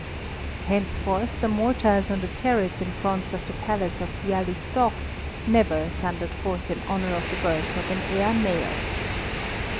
Henceforth the mortars on the terrace in front of the Palace of Bialystok never thundered forth in honour of the birth of an heir male.